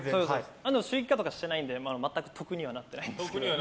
収益化してないので全く得にはなってないんですけど。